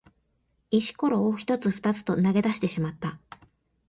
石ころを一つ二つと投げ出してしまった。